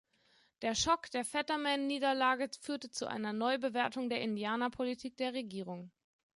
Der Schock der Fetterman-Niederlage führte zu einer Neubewertung der Indianer-Politik der Regierung.